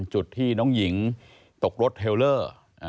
จุดที่น้องหญิงตกรถเทลเลอร์